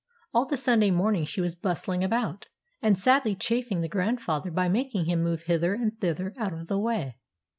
All the Sunday morning she was bustling about, and sadly chafing the grandfather by making him move hither and thither out of the way.